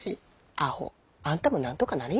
アホ！あんたもなんとかなり。